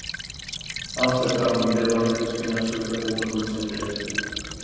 ამსტერდამი ნიდერლანდების ფინანსური და კულტურული ცენტრია.